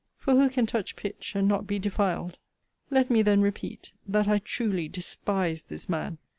For who can touch pitch, and not be defiled? 'Let me then repeat, that I truly despise this man!